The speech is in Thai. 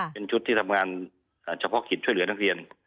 เป็นชุดที่ทำงานเฉพาะกิจช่วยเหลือนักเรียน